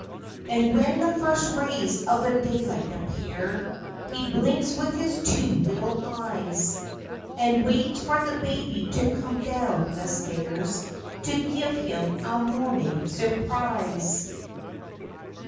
And when the first rays of the daylight appear He blinks with his two little eyes, And waits for the baby to come down the stairs To give him a morning surprise.